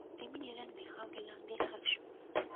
د مینې رنګ د خاورې لاندې ښخ شو.